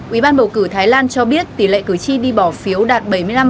ủy ban bầu cử thái lan cho biết tỷ lệ cử tri đi bỏ phiếu đạt bảy mươi năm hai mươi hai